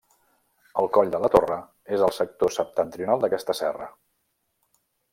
El Coll de la Torre és al sector septentrional d'aquesta serra.